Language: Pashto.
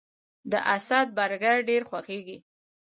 د اسد برګر ډیر خوښیږي